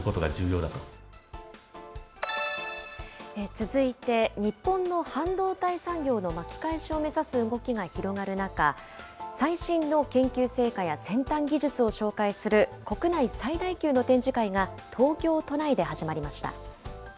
続いて、日本の半導体産業の巻き返しを目指す動きが広がる中、最新の研究成果や先端技術を紹介する国内最大級の展示会が東京都内で始まりました。